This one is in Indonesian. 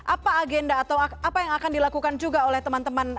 apa agenda atau apa yang akan dilakukan juga oleh teman teman